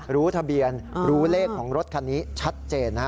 รู้ทะเบียนรู้เลขของรถคันนี้ชัดเจน